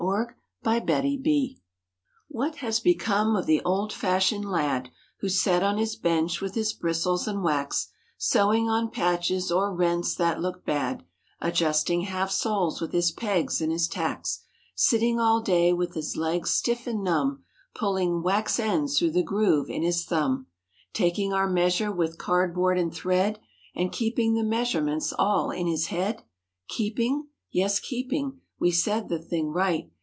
THE SHOEMAKER What has become of the old fashioned lad Who sat on his bench with his bristles and wax; Sewing on patches o'er rents that looked bad— Adjusting half soles with his pegs and his tacks; Sitting all day with his legs stiff and numb Pulling "wax ends" through the groove in his thumb ; Taking our measure with card board and thread And keeping the measurements, all, in his head ? Keeping? Yes, keeping. We said the thing right.